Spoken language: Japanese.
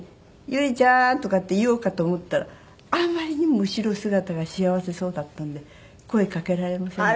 「由利ちゃーん」とかって言おうかと思ったらあんまりにも後ろ姿が幸せそうだったんで声かけられませんでした。